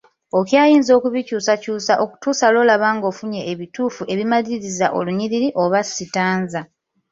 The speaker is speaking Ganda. Okyayinza okubikyusakykusa okutuusa lw’olaba ng’ofunye ebituufu ebimaliriza olunyiriri oba sitanza.